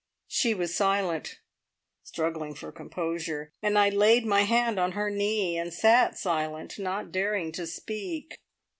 She was silent, struggling for composure, and I laid my hand on her knee, and sat silent, not daring to speak.